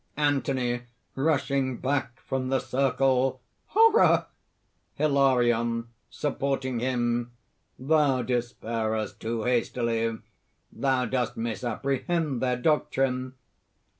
ANTHONY (rushing back from the circle). "Horror!" HILARION (supporting him). "Thou despairest too hastily! thou dost misapprehend their doctrine!